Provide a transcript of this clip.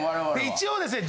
一応ですね